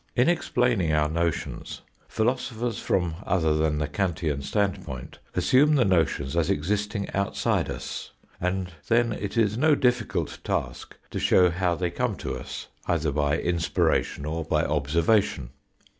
In explaining our notions, philosophers from ether than the Kantian standpoint, assume the notions as existing outside us, and then it is no difficult task to show how they come to us, either by inspiration or by observation.